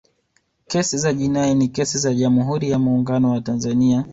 kesi za jinai ni kesi za jamhuri ya muungano wa tanzania